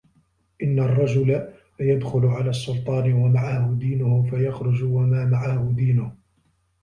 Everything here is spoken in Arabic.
إنَّ الرَّجُلَ لَيَدْخُلُ عَلَى السُّلْطَانِ وَمَعَهُ دِينُهُ فَيَخْرُجُ وَمَا مَعَهُ دِينُهُ